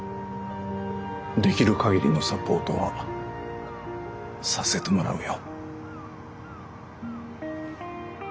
できる限りのサポートはさせてもらうよ。